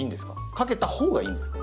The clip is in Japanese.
かけたほうがいいんですか？